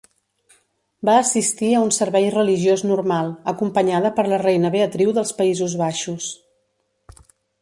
Va assistir a un servei religiós normal, acompanyada per la Reina Beatriu dels Països Baixos.